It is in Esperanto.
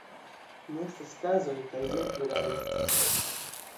Ne estas kazoj kaj ne pluralo.